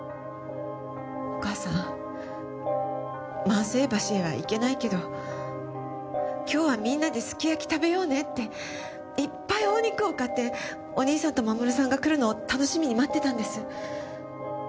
万世橋へは行けないけど今日はみんなですき焼き食べようねっていっぱいお肉を買ってお義兄さんと守さんが来るのを楽しみに待ってたんです。